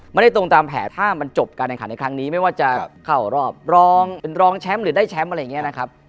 ตรงตามแผลถ้ามันจบการแข่งขันในครั้งนี้ไม่ว่าจะเข้ารอบรองเป็นรองแชมป์หรือได้แชมป์อะไรอย่างนี้นะครับ